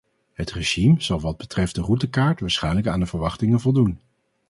Het regime zal wat betreft de routekaart waarschijnlijk aan de verwachtingen voldoen.